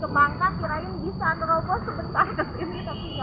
kebangka kirain bisa nerobos sebesar ke sini tapi nggak bisa